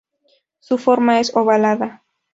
Su forma es ovalada.